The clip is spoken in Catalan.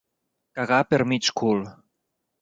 Cagar per mig cul.